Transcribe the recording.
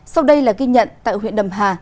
sau đây là ghi nhận tại huyện đầm hà